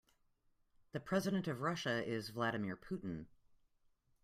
The president of Russia is Vladimir Putin.